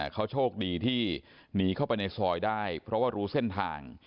เขาโชคดีที่หนีเข้าไปในซอยได้เพราะว่ารู้เส้นทาง